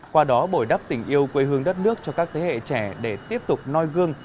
qua đó bồi đắp tình yêu quê hương đất nước cho các thế hệ trẻ để tiếp tục noi gương